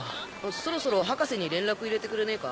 そろそろ博士に連絡入れてくれねえか？